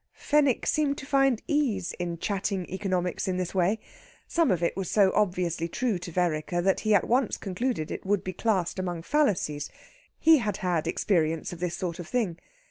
Fenwick seemed to find ease in chatting economics in this way. Some of it was so obviously true to Vereker that he at once concluded it would be classed among fallacies; he had had experience of this sort of thing.